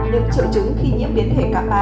những triệu chứng khi nhiễm biến thể kappa